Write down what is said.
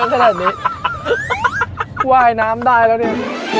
กินปลาเยอะขนาดนี้